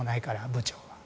部長は。